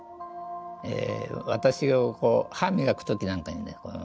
私がこう歯磨く時なんかにね